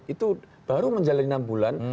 itu baru menjalani enam bulan